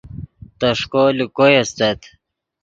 تݰکو لے کوئے استت